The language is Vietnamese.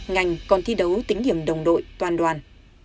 ngành còn thi đấu tính điểm đồng đội toàn đoàn